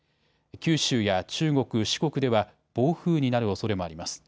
九州や中国、四国では暴風になるおそれもあります。